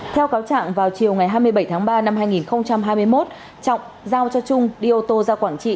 theo cáo trạng vào chiều ngày hai mươi bảy tháng ba năm hai nghìn hai mươi một trọng giao cho trung đi ô tô ra quảng trị